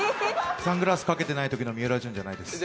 サングラスかけてないときのみうらじゅんじゃないです。